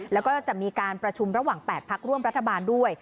แล้วก็จะมีการประชุมระหว่าง๘พักร่วมรัฐบาลด้วย